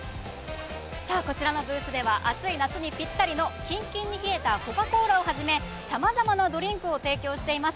さあ、こちらのブースでは暑い夏にぴったりのキンキンに冷えたコカ・コーラをはじめ様々なドリンクを提供しています。